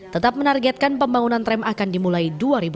tetap menargetkan pembangunan tram akan dimulai dua ribu dua puluh